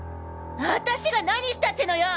アタシが何したってのよ！